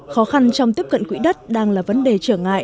khó khăn trong tiếp cận quỹ đất đang là vấn đề trở ngại